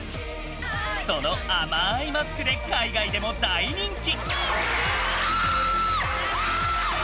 その甘いマスクで海外でも大人気。